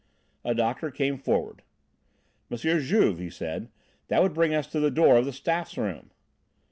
A doctor came forward. "M. Juve," he said, "that would bring us to the door of the staff's room."